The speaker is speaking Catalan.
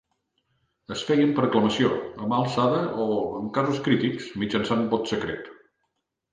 Es feien per aclamació, a mà alçada o, en casos crítics, mitjançant vot secret.